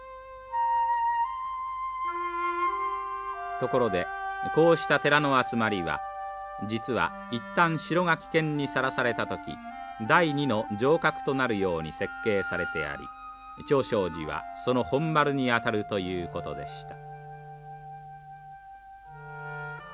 ところでこうした寺の集まりは実は一旦城が危険にさらされた時第２の城郭となるように設計されてあり長勝寺はその本丸にあたるということでした。